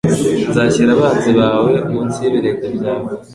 nzashyira abanzi bawe munsi yibirenge byawe